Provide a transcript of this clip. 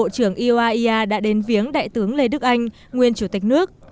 thủ tướng nguyễn xuân phúc